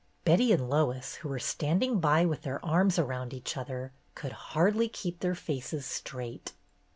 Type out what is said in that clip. Betty and Lois, who were standing by with their arms around each other, could hardly keep their faces straight.